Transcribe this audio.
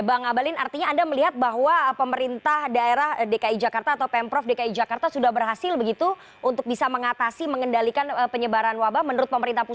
bang abalin artinya anda melihat bahwa pemerintah daerah dki jakarta atau pemprov dki jakarta sudah berhasil begitu untuk bisa mengatasi mengendalikan penyebaran wabah menurut pemerintah pusat